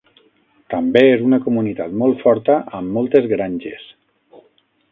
També és una comunitat molt forta amb moltes granges.